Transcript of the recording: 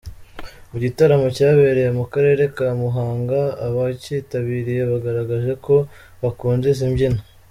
Mu Gitaramo cyabereye mu Karere ka Muhanga abacyitabiriye bagaragaje ko bakunda izi mbyino.